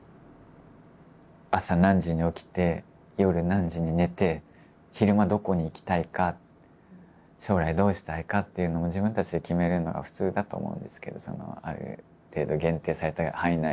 朝何時に起きて夜何時に寝て昼間どこに行きたいか将来どうしたいかっていうのも自分たちで決めるのが普通だと思うんですけどある程度限定された範囲内だとしても。